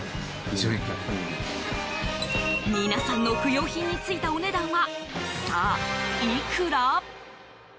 皆さんの不用品についたお値段は、さあ、いくら？